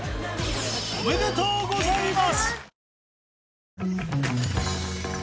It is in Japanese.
おめでとうございます！